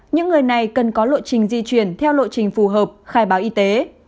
những người này cần có lộ trình di chuyển theo lộ trình phù hợp khai báo y tế